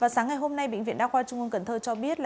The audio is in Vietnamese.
sáng ngày hôm nay bệnh viện đa khoa trung ương cần thơ cho biết